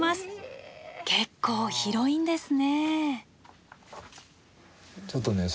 結構広いんですね。